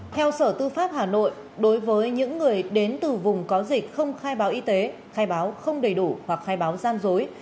theo sở tư pháp hà nội đối với những người đến từ vùng có dịch không khai báo y tế khai báo không đầy đủ hoặc khai báo gian dối